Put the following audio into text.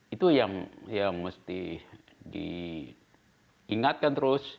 itu yang mesti diingatkan